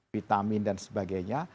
vitamin dan sebagainya